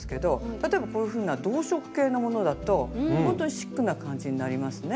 例えばこういうふうな同色系のものだとほんとにシックな感じになりますね。